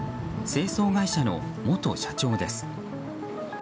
清掃会社の元社長です。